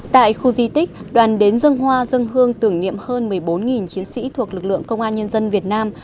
tại khu di tích đoàn đến dân hoa dân hương tưởng niệm hơn một mươi bốn chiến sĩ thuộc lực lượng công an nhân dân việt nam